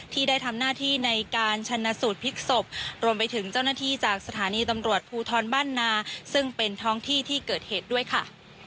ที่ได้ทำหน้าที่ในการชนะสูตรพลิกศพรวมไปถึงเจ้าหน้าที่จากสถานีตำรวจภูทรบ้านนาซึ่งเป็นท้องที่ที่เกิดเหตุด้วยค่ะ